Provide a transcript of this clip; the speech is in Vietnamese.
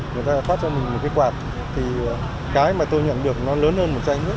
người ta phát cho mình một cái quạt thì cái mà tôi nhận được nó lớn hơn một chai nước